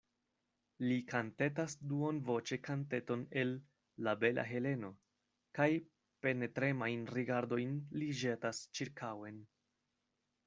Li kantetas duonvoĉe kanteton el La Bela Heleno, kaj penetremajn rigardojn li ĵetas ĉirkaŭen.